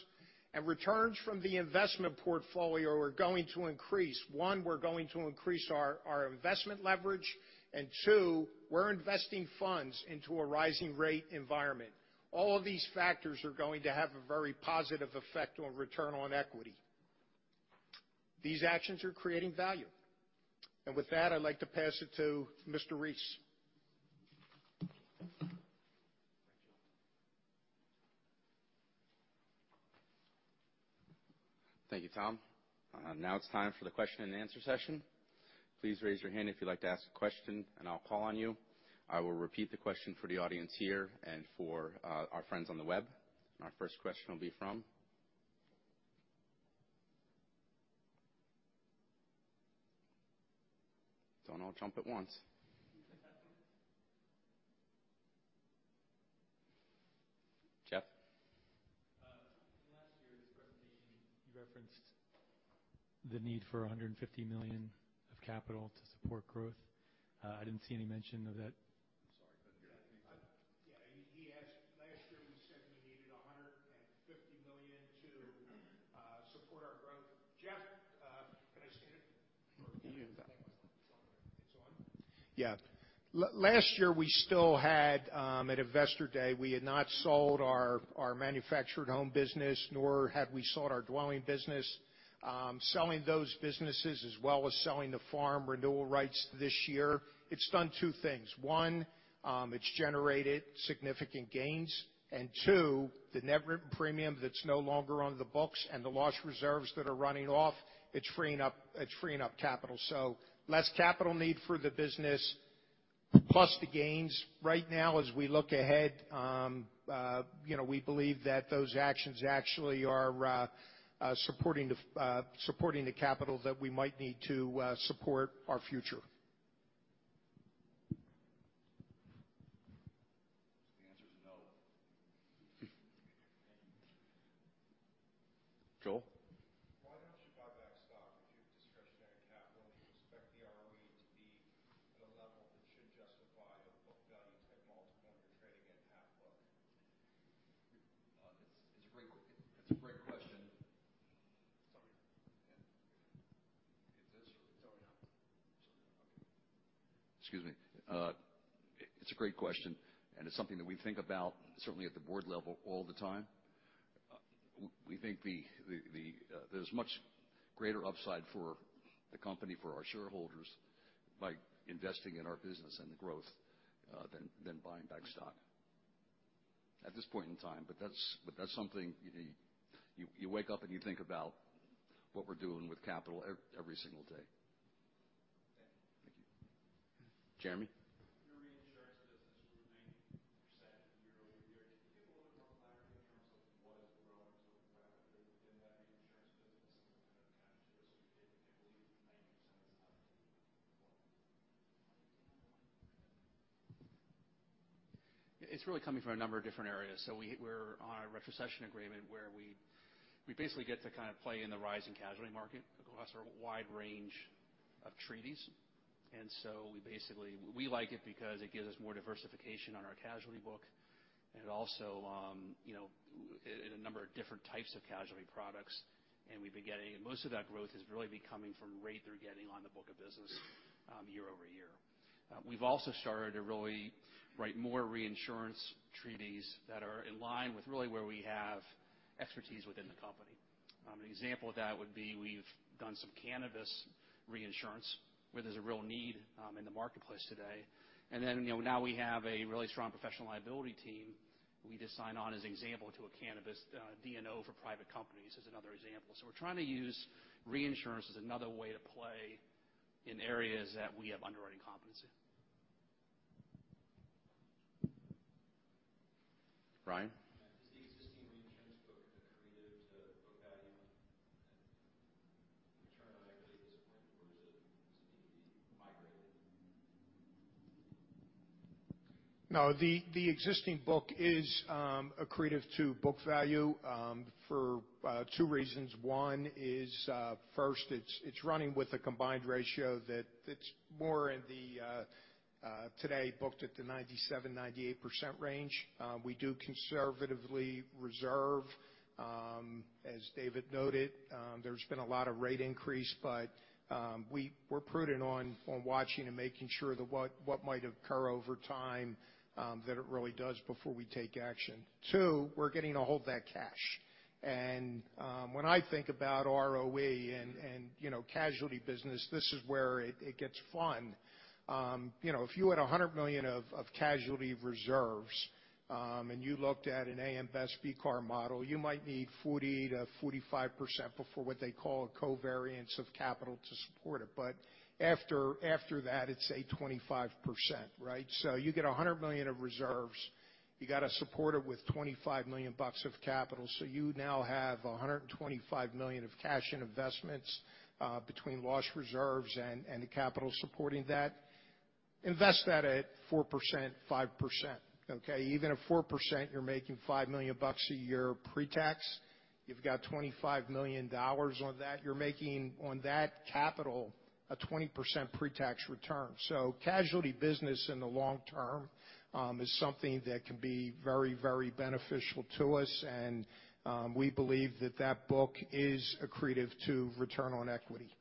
and returns from the investment portfolio are going to increase. One, we're going to increase our investment leverage, and two, we're investing funds into a rising rate environment. All of these factors are going to have a very positive effect on return on equity. These actions are creating value. With that, I'd like to pass it to Mr. Reece. Thank you. Thank you, Tom. Now it's time for the question and answer session. Please raise your hand if you'd like to ask a question, and I'll call on you. I will repeat the question for the audience here and for our friends on the web. Our first question will be from. Don't all jump at once. Jeff. Last year's presentation, you referenced the need for $150 million of capital to support growth. I didn't see any mention of that. I'm sorry. Could you repeat that? Yeah. He asked last year, you said you needed $150 million to support our growth. Jeff, can I stand up? You can do that. It's on. Yeah. Last year we still had, at Investor Day, we had not sold our manufactured home business, nor had we sold our dwelling business. Selling those businesses as well as selling the farm renewal rights this year, it's done two things. One, it's generated significant gains. Two, the net written premium that's no longer on the books and the loss reserves that are running off, it's freeing up capital. Less capital need for the business. Plus the gains right now as we look ahead, you know, we believe that those actions actually are supporting the capital that we might need to support our future. The answer is no. Joel. Why don't you buy back stock if you have discretionary capital? You expect the ROE to be at a level that should justify a book value type multiple, and you're trading at half book. It's a great question. Sorry. Yeah. It's this? It's on now. Okay. Excuse me. It's a great question, and it's something that we think about certainly at the board level all the time. We think there's much greater upside for the company, for our shareholders by investing in our business and the growth, than buying back stock at this point in time. That's something you wake up and you think about what we're doing with capital every single day. Thank you. Thank you, Jeremy. Your reinsurance business grew 90% year-over-year. Can you give a little more clarity in terms of what is the growth of the It's really coming from a number of different areas. We're on a retrocession agreement where we basically get to kind of play in the rising casualty market across our wide range of treaties. We basically we like it because it gives us more diversification on our casualty book and it also, you know, in a number of different types of casualty products. We've been getting most of that growth has really been coming from rate they're getting on the book of business, year over year. We've also started to really write more reinsurance treaties that are in line with really where we have expertise within the company. An example of that would be we've done some cannabis reinsurance, where there's a real need in the marketplace today. Now we have a really strong professional liability team. We just signed on as an example to a cannabis D&O for private companies as another example. We're trying to use reinsurance as another way to play in areas that we have underwriting competency. No, the existing book is accretive to book value for two reasons. One is first, it's running with a combined ratio that's today booked at the 97%-98% range. We do conservatively reserve, as David noted. There's been a lot of rate increase, but we're prudent on watching and making sure that what might occur over time, that it really does before we take action. Two, we're getting a hold of that cash. When I think about ROE and you know, casualty business, this is where it gets fun. You know, if you had $100 million of casualty reserves and you looked at an AM Best BCAR model, you might need 40%-45% before what they call a covariance of capital to support it. After that, it's a 25%, right? You get $100 million of reserves. You gotta support it with $25 million of capital. You now have $125 million of cash and investments between loss reserves and the capital supporting that. Invest that at 4%-5%, okay? Even at 4%, you're making $5 million a year pre-tax. You've got $25 million on that. You're making on that capital a 20% pre-tax return. Casualty business in the long term is something that can be very, very beneficial to us. We believe that book is accretive to return on equity.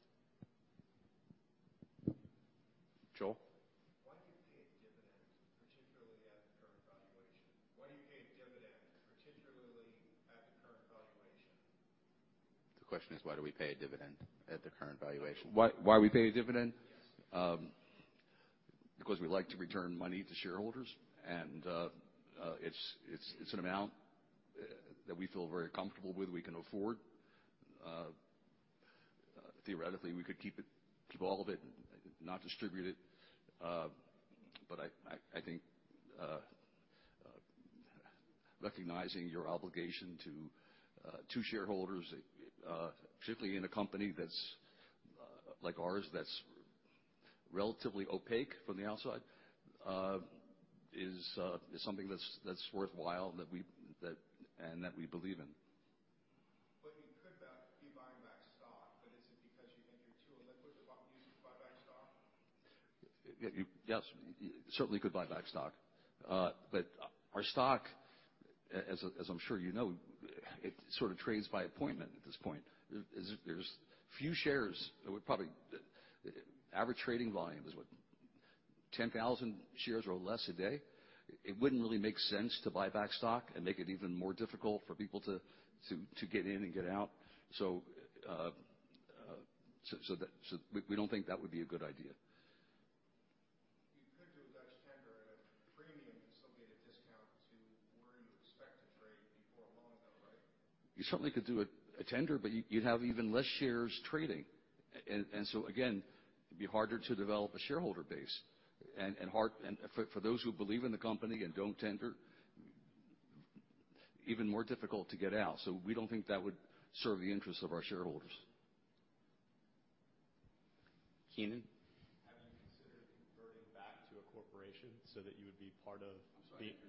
Joel. Why do you pay a dividend, particularly at the current valuation? The question is, why do we pay a dividend at the current valuation? Why we pay a dividend? Yes. Because we like to return money to shareholders, and it's an amount that we feel very comfortable with, we can afford. Theoretically, we could keep all of it, not distribute it. I think recognizing your obligation to shareholders, particularly in a company that's like ours, that's relatively opaque from the outside, is something that's worthwhile, and that we believe in. You could be buying back stock, but is it because you think you're too illiquid to buy back stock? Yes. Certainly could buy back stock. Our stock, as I'm sure you know, it sort of trades by appointment at this point. There's few shares. Average trading volume is what? 10,000 shares or less a day. It wouldn't really make sense to buy back stock and make it even more difficult for people to get in and get out. We don't think that would be a good idea. You could do a Dutch tender at a premium instead of get a discount to where you expect to trade before long, though, right? You certainly could do a tender, but you'd have even less shares trading. Again, it'd be harder to develop a shareholder base. For those who believe in the company and don't tender, even more difficult to get out. We don't think that would serve the interest of our shareholders. Keenan. Have you considered converting back to a corporation so that you would be part of the? I'm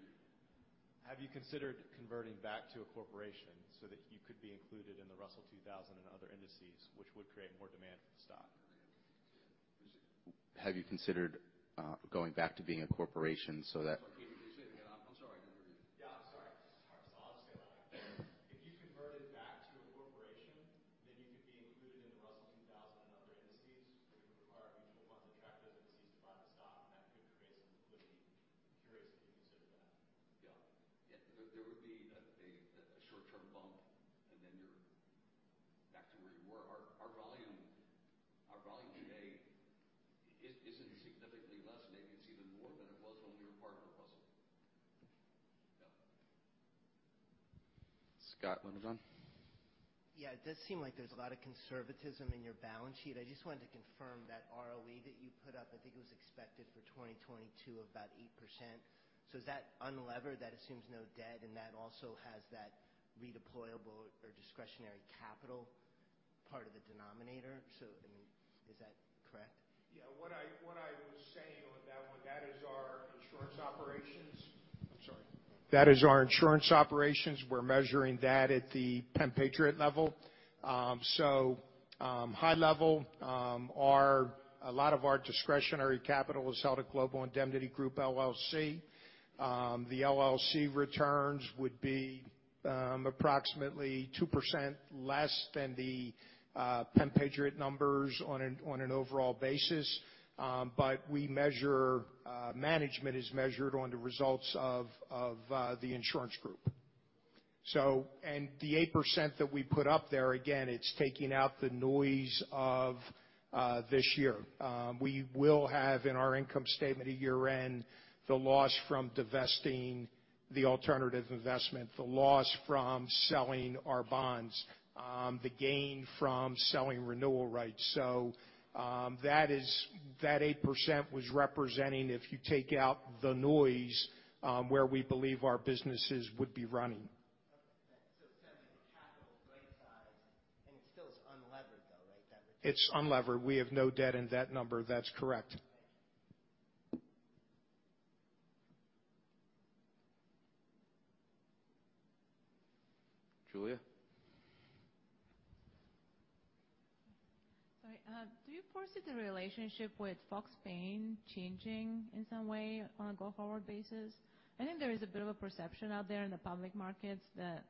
sorry. I didn't hear you. Have you considered converting back to a corporation so that you could be included in the Russell 2000 and other indices, which would create more demand for the stock? Have you considered going back to being a corporation so that? I'm That is our insurance operations. We're measuring that at the Penn-Patriot level. High level, a lot of our discretionary capital is held at Global Indemnity Group, LLC. The LLC returns would be approximately 2% less than the Penn-Patriot numbers on an overall basis. But management is measured on the results of the insurance group. The 8% that we put up there, again, it's taking out the noise of this year. We will have in our income statement at year-end, the loss from divesting the alternative investment, the loss from selling our bonds, the gain from selling renewal rights. That 8% was representing if you take out the noise, where we believe our businesses would be running. Essentially the capital is the right size, and it still is unlevered though, right? That- It's unlevered. We have no debt in that number. That's correct. Okay. Julia? Sorry. Do you foresee the relationship with Fox Paine changing in some way on a go-forward basis? I think there is a bit of a perception out there in the public markets that.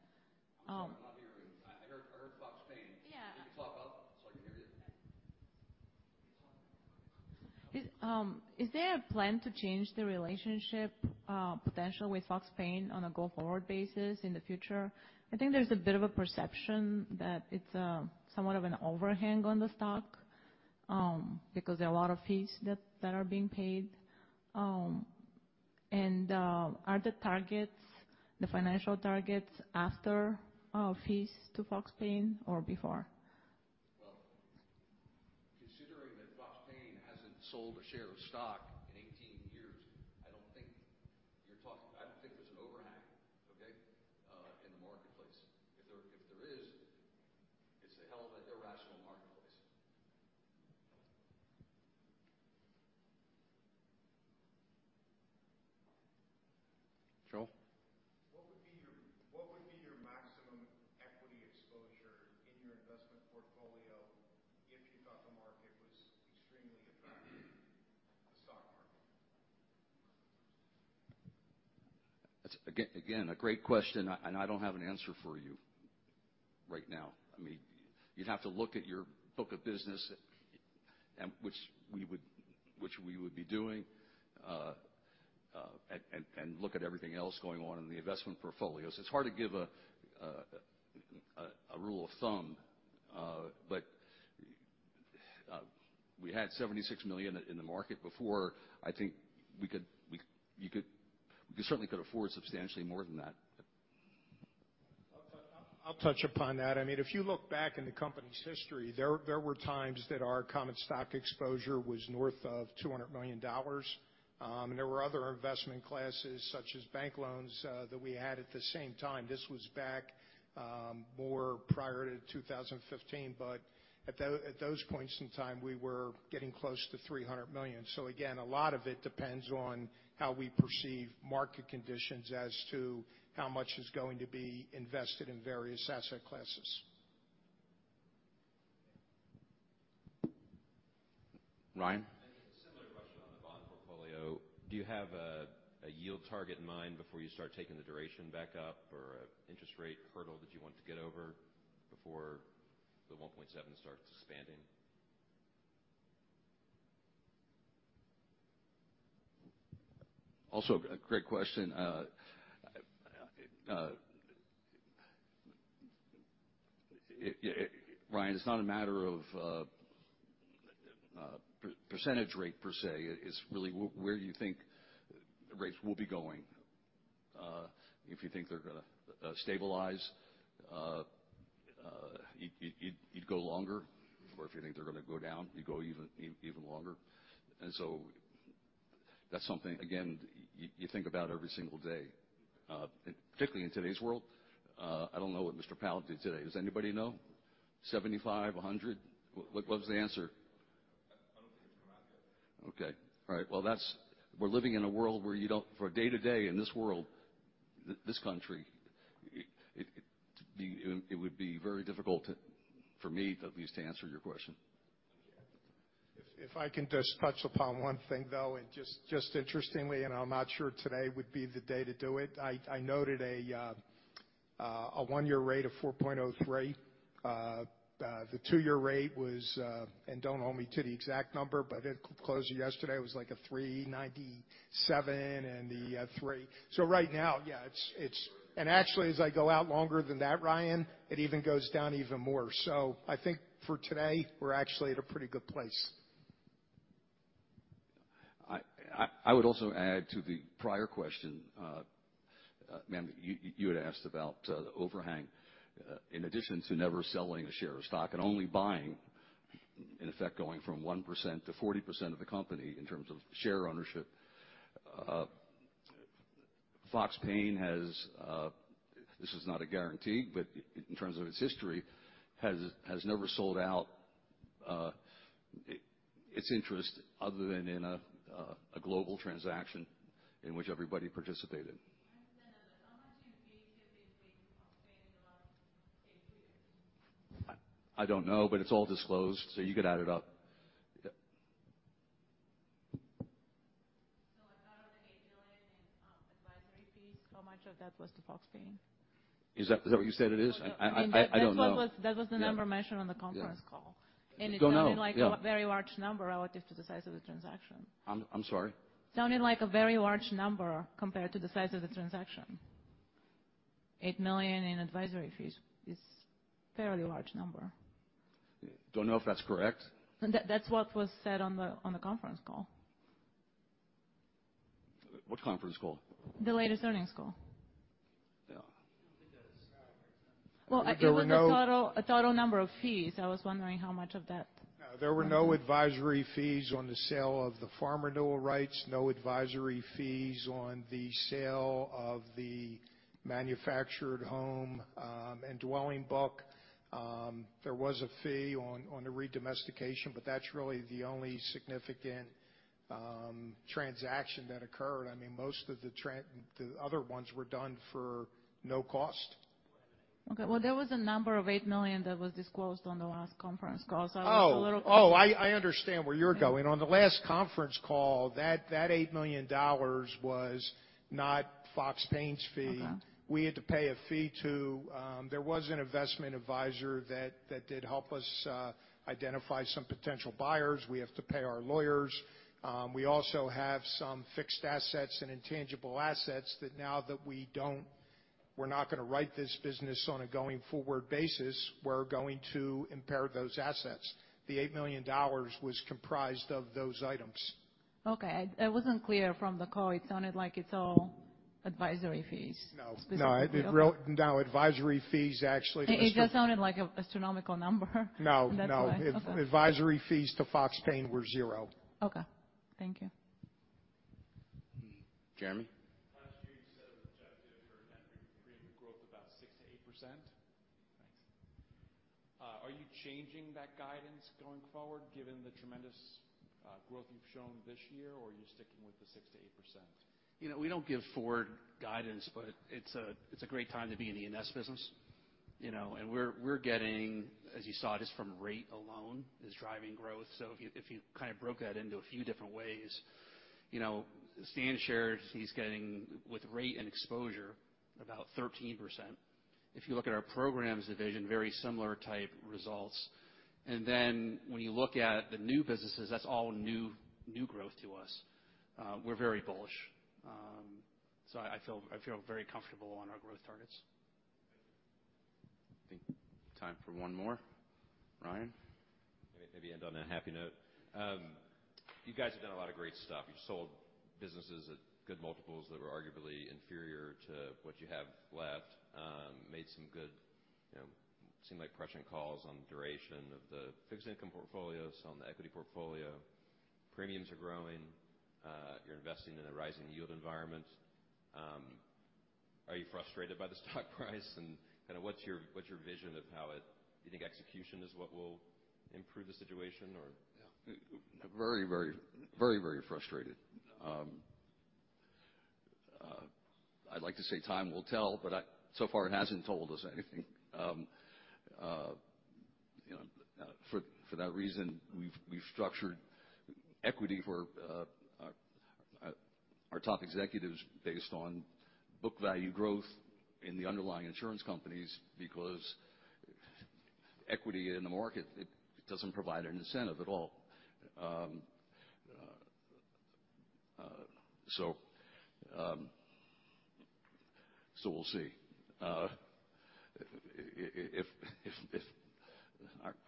I'm sorry, I'm not hearing. I heard Fox Paine. Yeah. Can you speak up, so I can hear you? Is there a plan to change the relationship potentially with Fox Paine on a go-forward basis in the future? I think there's a bit of a perception that it's somewhat of an overhang on the stock because there are a lot of fees that are being paid. Are the targets, the financial targets after fees to Fox Paine or before? Well, considering that Fox Paine hasn't sold a share of stock in 18 years, I don't think there's an overhang, okay, in the marketplace. If there is, it's a hell of a irrational marketplace. Joel? What would be your maximum equity exposure in your investment portfolio if you thought the market was extremely attractive? The stock market. That's again a great question. I don't have an answer for you right now. I mean, you'd have to look at your book of business, which we would be doing, and look at everything else going on in the investment portfolios. It's hard to give a rule of thumb, but we had $76 million in the market before. I think we certainly could afford substantially more than that. I'll touch upon that. I mean, if you look back in the company's history, there were times that our common stock exposure was north of $200 million. There were other investment classes, such as bank loans, that we had at the same time. This was back, more prior to 2015. At those points in time, we were getting close to $300 million. Again, a lot of it depends on how we perceive market conditions as to how much is going to be invested in various asset classes. Ryan? Similar question on the bond portfolio. Do you have a yield target in mind before you start taking the duration back up or an interest rate hurdle that you want to get over before the 1.7 starts expanding? Also a great question. Ryan, it's not a matter of percentage rate per se. It's really where you think rates will be going. If you think they're gonna stabilize, you'd go longer. Or if you think they're gonna go down, you go even longer. That's something, again, you think about every single day, particularly in today's world. I don't know what Mr. Powell did today. Does anybody know? 75? 100? What was the answer? I don't think it's come out yet. Okay. All right. Well, we're living in a world where for day to day in this world, this country, it would be very difficult for me at least to answer your question. If I can just touch upon one thing, though, and just interestingly, and I'm not sure today would be the day to do it. I noted a one-year rate of 4.03%. The two-year rate was, and don't hold me to the exact number, but it closed yesterday. It was like a 3.97 and the three. So right now, yeah, it's. Actually, as I go out longer than that, Ryan, it even goes down even more. I think for today, we're actually at a pretty good place. I would also add to the prior question, ma'am, you had asked about the overhang. In addition to never selling a share of stock and only buying, in effect, going from 1% to 40% of the company in terms of share ownership, Fox Paine has, this is not a guarantee, but in terms of its history, has never sold out its interest other than in a global transaction in which everybody participated. Understood. How much have you been keeping Fox Paine in the last, say, two years? I don't know, but it's all disclosed, so you could add it up. Yeah. Out of the $8 million in advisory fees, how much of that was to Fox Paine? Is that, is that what you said it is? I don't know. That was the number mentioned on the conference call. Don't know. Yeah. It sounded like a very large number relative to the size of the transaction. I'm sorry? Sounded like a very large number compared to the size of the transaction. $8 million in advisory fees is fairly large number. Don't know if that's correct. That's what was said on the conference call. What conference call? The latest earnings call. Yeah. I don't think that is how it breaks down. There were no- Well, it was the total number of fees. I was wondering how much of that- Yeah, there were no advisory fees on the sale of the farm renewal rights, no advisory fees on the sale of the manufactured home, and dwelling book. There was a fee on the redomestication, but that's really the only significant transaction that occurred. I mean, most of the other ones were done for no cost. Well, there was a number of $8 million that was disclosed on the last conference call, so I was a little- Oh, I understand where you're going. On the last conference call, that $8 million was not Fox Paine's fee. Okay. We had to pay a fee to. There was an investment advisor that did help us identify some potential buyers. We have to pay our lawyers. We also have some fixed assets and intangible assets that we're not gonna write this business on a going forward basis. We're going to impair those assets. The $8 million was comprised of those items. Okay. It wasn't clear from the call. It sounded like it's all advisory fees. No advisory fees actually. It just sounded like an astronomical number. No, no. That's why. Okay. Advisory fees to Fox Paine were zero. Okay. Thank you. Jeremy? Last year you set an objective for net premium growth about 6%-8%. Thanks. Are you changing that guidance going forward given the tremendous growth you've shown this year, or are you sticking with the 6%-8%? You know, we don't give forward guidance, but it's a great time to be in the E&S business. You know, we're getting, as you saw just from rate alone is driving growth. If you kind of broke that into a few different ways, you know, standard E&S is getting with rate and exposure about 13%. If you look at our programs division, very similar type results. When you look at the new businesses, that's all new growth to us. We're very bullish. I feel very comfortable on our growth targets. I think time for one more. Ryan? Maybe end on a happy note. You guys have done a lot of great stuff. You've sold businesses at good multiples that were arguably inferior to what you have left. Made some good, you know, seemed like crushing calls on duration of the fixed income portfolios, on the equity portfolio. Premiums are growing. You're investing in a rising yield environment. Are you frustrated by the stock price? Kinda what's your vision of how it. Do you think execution is what will improve the situation or? Yeah. Very frustrated. I'd like to say time will tell, but so far it hasn't told us anything. You know, for that reason, we've structured equity for our top executives based on book value growth in the underlying insurance companies because equity in the market, it doesn't provide an incentive at all. So we'll see. If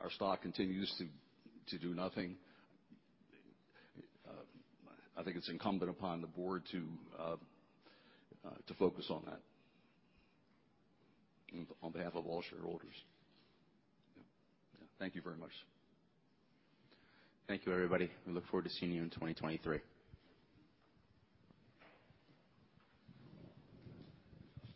our stock continues to do nothing, I think it's incumbent upon the board to focus on that on behalf of all shareholders. Yeah. Thank you very much. Thank you, everybody. We look forward to seeing you in 2023.